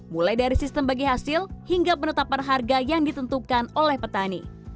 mulai dari sistem bagi hasil hingga penetapan harga yang ditentukan oleh petani